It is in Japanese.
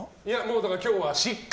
だから今日は失格！